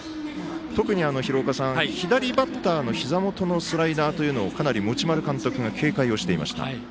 特に左バッターのひざ元のスライダーというのをかなり持丸監督が警戒をしていました。